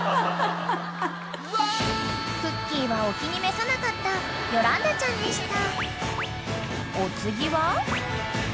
［くっきー！はお気に召さなかったヨランダちゃんでした］